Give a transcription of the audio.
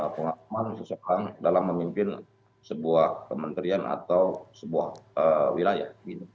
pengalaman seseorang dalam memimpin sebuah kementerian atau sebuah wilayah